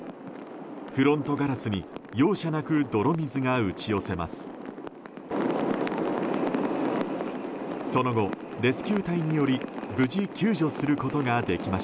フロントガラスに容赦なく泥水が打ち寄せます。